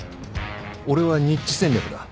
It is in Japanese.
俺はニッチ戦略だ。